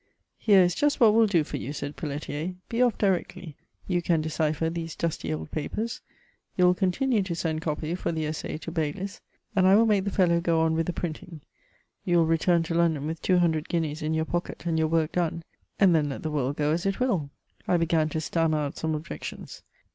" Here is just what will do for YOU, said Pelletier ;'' be off directly ; you can decipher these dusty old papers ; you will continue to send copy for the Essai to Baylis, and I will make the fellow go on with the printing ; you will return to London with two hundred gfuineas in your pocket and your work done — and ihen let the world go asitwiUr I began to stammer out some objections: ^^Eh!